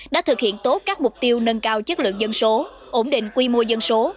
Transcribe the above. đã thực hiện tốt các mục tiêu nâng cao chất lượng dân số ổn định quy mô dân số